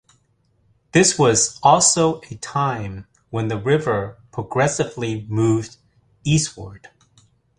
This was also a time when the river progressively moved eastward.